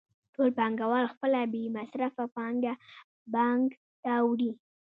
ټول پانګوال خپله بې مصرفه پانګه بانک ته وړي